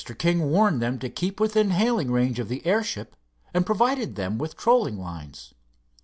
King warned them to keep within hailing range of the airship and provided them with trolling lines.